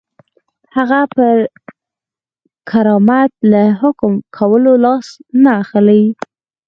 هغه پر کرامت له حکم کولو لاس نه اخلي.